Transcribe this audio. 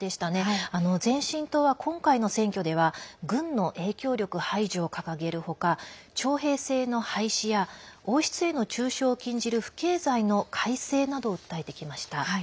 前進党は今回の選挙では軍の影響力排除を掲げる他徴兵制の廃止や王室への中傷を禁じる不敬罪の改正などを訴えてきました。